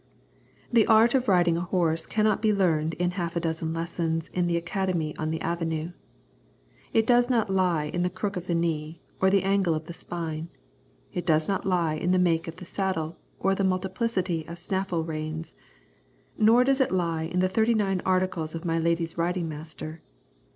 The art of riding a horse cannot be learned in half a dozen lessons in the academy on the avenue. It does not lie in the crook of the knee, or the angle of the spine. It does not lie in the make of the saddle or the multiplicity of snaffle reins, nor does it lie in the thirty nine articles of my lady's riding master.